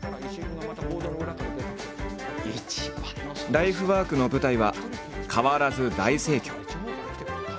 ライフワークの舞台は変わらず大盛況。